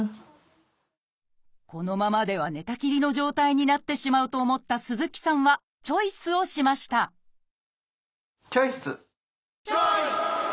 このままでは寝たきりの状態になってしまうと思った鈴木さんはチョイスをしましたチョイス！